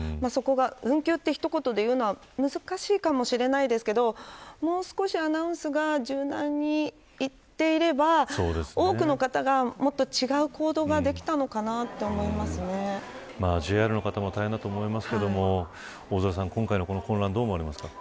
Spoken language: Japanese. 運休と一言というのは難しいかもしれないんですがもう少しアナウンスが柔軟にいっていれば、多くの方がもっと違う行動がＪＲの方も大変だと思いますが今回の混乱はどう思いますか。